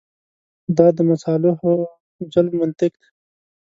دا د مصالحو جلب منطق دی.